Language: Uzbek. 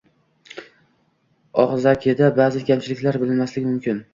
Og‘zakida ba’zi kamchiliklar bilinmasligi mumkin.